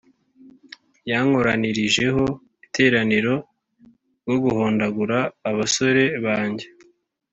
Yankoranirijeho iteraniro ryo guhondagura abasore banjye.